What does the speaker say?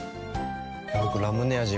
僕ラムネ味